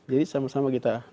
jadi sama sama kita